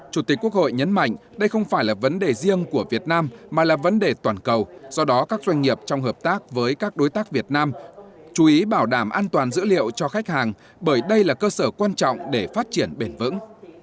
chủ tịch quốc hội nhấn mạnh đây không phải là vấn đề riêng của việt nam mà là vấn đề toàn cầu do đó các doanh nghiệp trong hợp tác với các đối tác việt nam chú ý bảo đảm an toàn dữ liệu cho khách hàng bởi đây là cơ sở quan trọng để phát triển bền vững